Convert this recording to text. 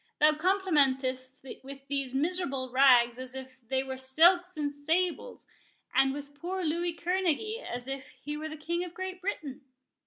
—thou complimentest with these miserable rags as if they were silks and sables, and with poor Louis Kerneguy as if he were the King of Great Britain!"